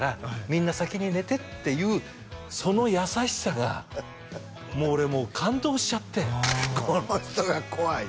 「みんな先に寝て」っていうその優しさがもう俺感動しちゃってこの人が怖い？